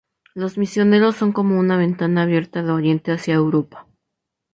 Los misioneros son como una ventana abierta de Oriente hacia Europa.